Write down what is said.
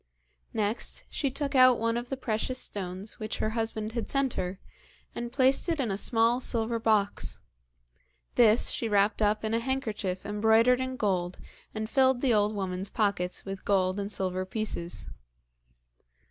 Next, she took out one of the precious stones which her husband had sent her, and placed it in a small silver box. This she wrapped up in a handkerchief embroidered in gold, and filled the old woman's pockets with gold and silver pieces.